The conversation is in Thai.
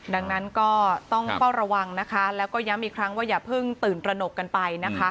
ดังนั้นก็ต้องเฝ้าระวังนะคะแล้วก็ย้ำอีกครั้งว่าอย่าเพิ่งตื่นตระหนกกันไปนะคะ